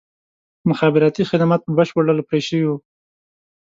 مخابراتي خدمات په بشپړ ډول پرې شوي وو.